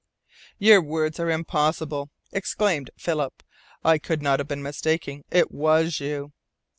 "Your words are impossible!" exclaimed Philip. "I could not have been mistaken. It was you."